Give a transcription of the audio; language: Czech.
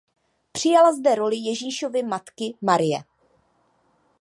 Přijala zde roli Ježíšovy matky Marie.